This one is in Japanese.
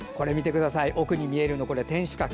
奥に見えるのは天守閣。